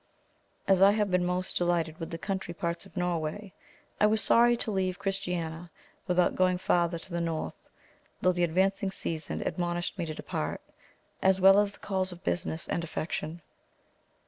As I have been most delighted with the country parts of Norway, I was sorry to leave Christiania without going farther to the north, though the advancing season admonished me to depart, as well as the calls of business and affection.